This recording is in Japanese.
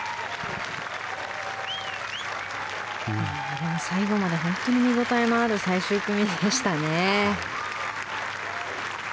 でも、最後まで本当に見応えのある最終組でしたね。